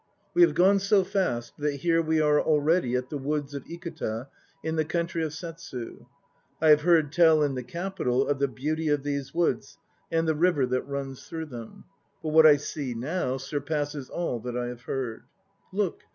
We have gone so fast that here we are already at the woods of Ikuta in the country of Settsu. I have heard tell in the Capital of the beauty of these woods and the river that runs through them. But what I see now surpasses all that I have heard. Look!